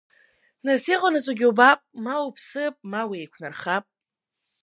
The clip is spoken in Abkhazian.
Нас иҟанаҵогьы убап, ма уԥсып, ма уеиқәнархап!